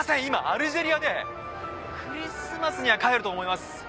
今アルジェリアでクリスマスには帰ると思います」